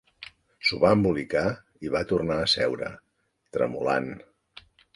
S'ho va embolicar i va tornar a seure, tremolant.